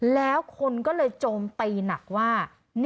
แล้วคนก็เลยโจมตีหนักว่า